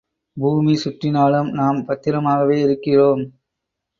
பூமி சுற்றினாலும், நாம் பத்திரமாகவே இருக்கிறோம்.